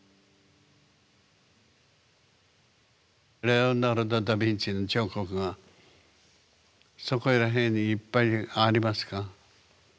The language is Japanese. レオナルド・ダ・ヴィンチの彫刻がそこら辺にいっぱいありますか？